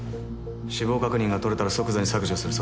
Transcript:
死亡確認が取れたら即座に削除する。